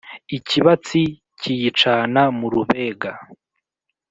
Ikibatsi kiyicana mu rubega